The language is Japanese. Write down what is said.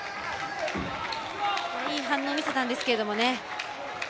いい反応を見せたんですけどね。